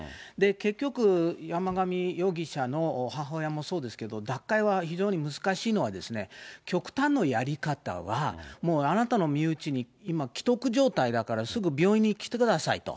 結局、山上容疑者の母親もそうですけど、脱会は非常に難しいのは、極端のやり方は、もうあなたの身内に今、危篤状態だからすぐ病院に来てくださいと。